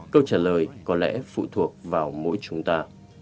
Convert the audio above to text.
câu trả lời có lẽ phụ thuộc vào mỗi chúng ta